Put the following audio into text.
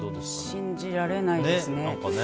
信じられないですね。